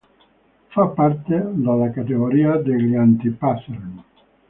Fa parte della categoria degli anti-pattern.